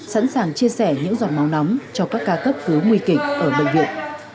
sẵn sàng chia sẻ những giọt máu nóng cho các ca cấp cứu nguy kịch ở bệnh viện